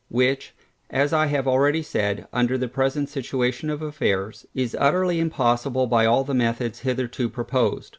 which, as I have already said, under the present situation of affairs, is utterly impossible by all the methods hitherto proposed.